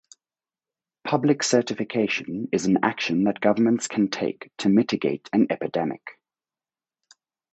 Public certification is an action that governments can take to mitigate an epidemic.